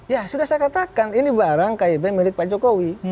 ya sudah saya katakan ini barang kib milik pak jokowi